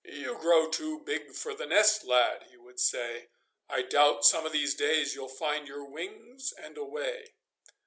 'You grow too big for the nest, lad,' he would say. 'I doubt some of these days you'll find your wings and away!